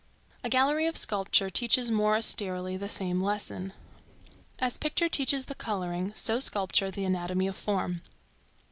A gallery of sculpture teaches more austerely the same lesson. As picture teaches the coloring, so sculpture the anatomy of form.